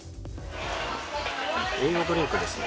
栄養ドリンクですね。